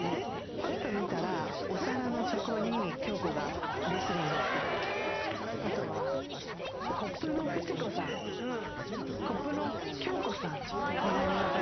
ぱっと見たら、お皿の底に京子が、レスリングをしてたり、あとは、コップのフチ子さん、コップの京子さんになりますよ。